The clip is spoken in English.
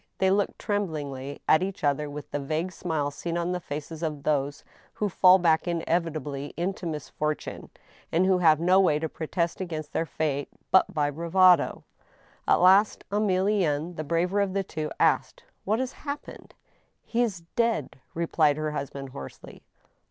They looked tremblingly at each other with that vague smile seen on the faces of those who fall back inevitably jnto misfortune, and who have no way to protest agsdnst their fate but by bravado. At last Emilienne, the braver of the two, asked :" What has happened ?"" He is dead !" replied her husband, hoarsely.